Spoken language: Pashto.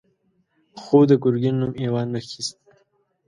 خو د ګرګين نوم يې وانه خيست.